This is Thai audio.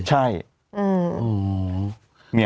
ใช่